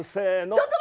ちょっと。